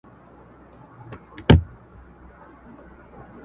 دې دوستی ته خو هیڅ لاره نه جوړیږي!.